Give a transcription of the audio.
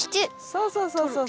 そうそうそうそう。